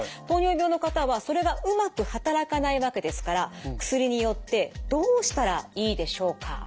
糖尿病の方はそれがうまく働かないわけですから薬によってどうしたらいいでしょうか？